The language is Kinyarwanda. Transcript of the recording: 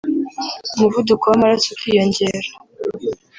umuvuduko w’amaraso ukiyongera